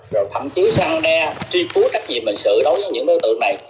rồi thậm chí săn đe tri phú trách nhiệm hình sự đối với những đối tượng này